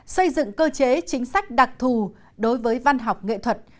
xây dựng cơ chế chính sách đặc thù đối với văn học nghệ thuật